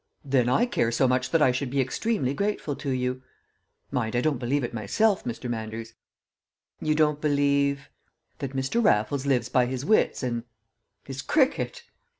"Then I care so much that I should be extremely grateful to you." "Mind, I don't believe it myself, Mr. Manders." "You don't believe " "That Mr. Raffles lives by his wits and his cricket!"